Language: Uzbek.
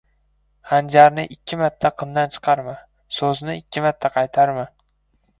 • Hanjarni ikki marta qindan chiqarma, so‘zni ikki marta qaytarma.